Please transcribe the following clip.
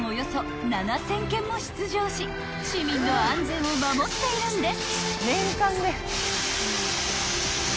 ［市民の安全を守っているんです］